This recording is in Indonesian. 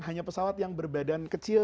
hanya pesawat yang berbadan kecil